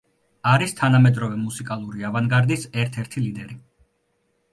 არის თანამედროვე მუსიკალური ავანგარდის ერთ-ერთი ლიდერი.